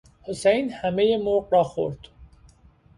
حسین همهی مرغ را خورد.